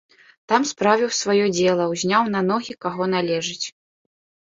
Там справіў сваё дзела, узняў на ногі каго належыць.